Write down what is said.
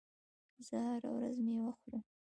زه هره ورځ میوه خورم.